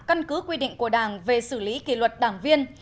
căn cứ quy định của đảng về xử lý kỷ luật đảng viên